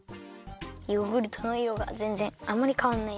ヨーグルトのいろがぜんぜんあんまりかわんないね。